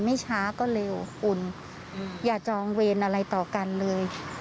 ไม่ช้าก็เร็วคุณอย่าจองเวรอะไรต่อกันเลย